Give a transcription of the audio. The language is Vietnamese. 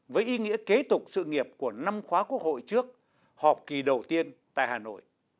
với ý nghĩa kế tục sự nghiệp của năm khóa quốc hội trước họp kỳ đầu tiên tại hà nội